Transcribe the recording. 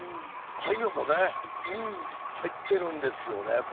あいみょんも入ってるんですよね。